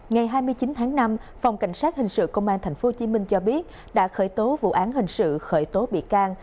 ngày hai mươi chín tháng năm phòng cảnh sát hình sự công an tp hcm cho biết đã khởi tố vụ án hình sự khởi tố bị can